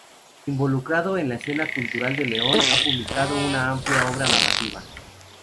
Involucrado en la escena cultural de León, ha publicado una amplia obra narrativa.